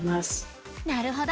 なるほど。